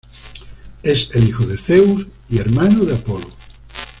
Es el hijo de Zeus y hermano de Apolo.